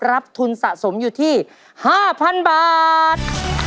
รับทุนสะสมอยู่ที่๕๐๐๐บาท